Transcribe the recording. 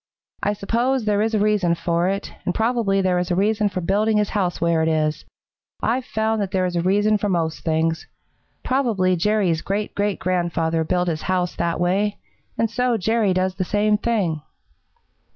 I suppose there is a reason for it, and probably there is a reason for building his house where it is. I've found that there is a reason for most things. Probably Jerry's great great grandfather built his house that way, and so Jerry does the same thing."